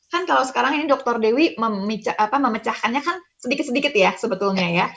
kan kalau sekarang ini dr dewi memecahkannya kan sedikit sedikit ya sebetulnya ya